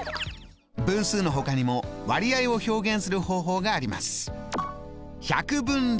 分数のほかにも割合を表現する方法があります。